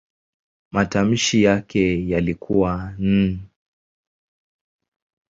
Matamshi yake yalikuwa "n".